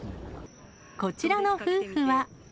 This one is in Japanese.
こちらの夫婦は。